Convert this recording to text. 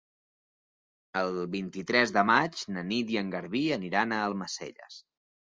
El vint-i-tres de maig na Nit i en Garbí aniran a Almacelles.